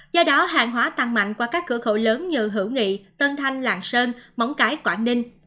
do đó hàng hóa tăng mạnh qua các cửa khẩu lớn như hữu nghị tân thanh lạng sơn móng cái quảng ninh